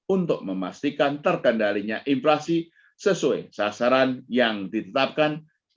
untuk memastikan terkendalinya inflasi sesuai sasaran yang ditetapkan